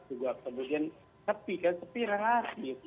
juga kemudian sepi kan sepi lah